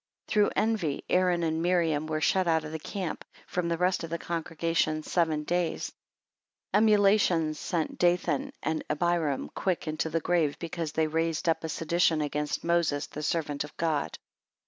7 Through envy Aaron and Miriam were shut out of the camp, from the rest of the congregation seven days. 8 Emulation's sent Dathan and Abiram quick into the grave because they raised up a sedition against Moses the servant of God.